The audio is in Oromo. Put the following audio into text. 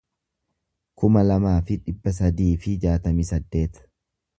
kuma lamaa fi dhibba sadii fi jaatamii saddeet